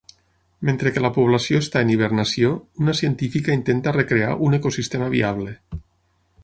Mentre que la població està en hibernació, una científica intenta recrear un ecosistema viable.